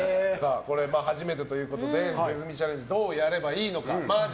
初めてということで手積みチャレンジどうやればいいのか麻雀